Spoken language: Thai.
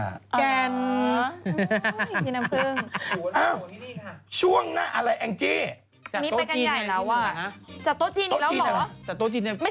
ไม่ใช่ดังแต่งงานใช่ไหม